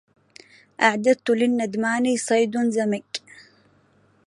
أعددت للندمان صيد زمج